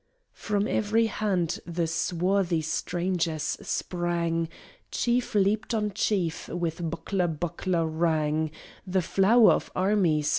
From every hand the swarthy strangers sprang, Chief leaped on chief, with buckler buckler rang! The flower of armies!